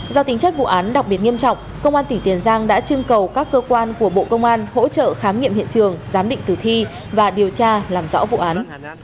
do tính chất vụ án đặc biệt nghiêm trọng công an tỉnh tiền giang đã trưng cầu các cơ quan của bộ công an hỗ trợ khám nghiệm hiện trường giám định tử thi và điều tra làm rõ vụ án